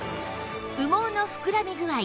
羽毛の膨らみ具合